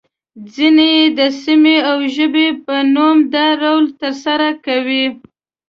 ځینې يې د سیمې او ژبې په نوم دا رول ترسره کوي.